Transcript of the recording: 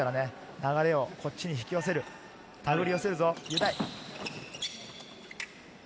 流れをこっちに引き寄せる、たぐり寄せるぞ。